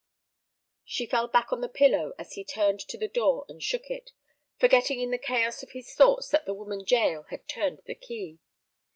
She fell back on the pillow as he turned to the door and shook it, forgetting in the chaos of his thoughts that the woman Jael had turned the key.